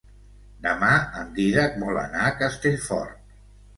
Demà en Dídac vol anar a Castellfort.